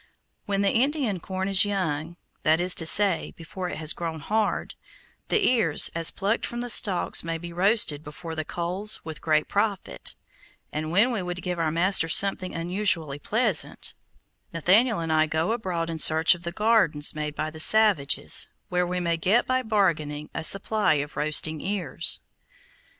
When the Indian corn is young, that is to say, before it has grown hard, the ears as plucked from the stalks may be roasted before the coals with great profit, and when we would give our master something unusually pleasing, Nathaniel and I go abroad in search of the gardens made by the savages, where we may get, by bargaining, a supply of roasting ears.